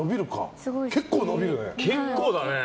結構、伸びるね。